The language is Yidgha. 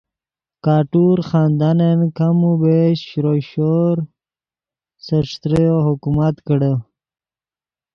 کٹور خاندانن کم و بیش شروئے شور سے ݯتریو حکومت کڑے